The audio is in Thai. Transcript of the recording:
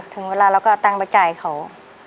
ถึงเวลาเราก็เอาตังค์ไปจ่ายเขา